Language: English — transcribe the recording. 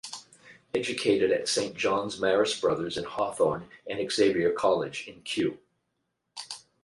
Educated at Saint John's Marist Brothers, in Hawthorn and Xavier College in Kew.